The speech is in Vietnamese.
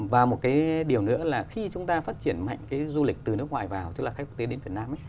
và một điều nữa là khi chúng ta phát triển mạnh cái du lịch từ nước ngoài vào tức là khách tiếp đến việt nam